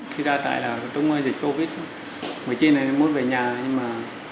thì ra tại là trong cái dịch covid người chiến này muốn về nhà nhưng mà